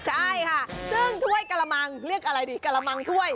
ใช่ค่ะซึ่งถ้วยกระมังเรียกอะไรดีกระมังถ้วย